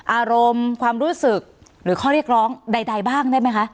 อารมณ์ความรู้สึกหรือข้อเรียกร้องใดบ้างได้ไหมคะ